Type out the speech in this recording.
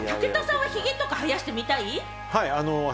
武田さんはおひげとか生やしてみたい？